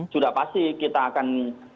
sudah pasti kita akan